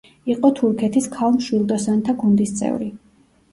იყო თურქეთის ქალ მშვილდოსანთა გუნდის წევრი.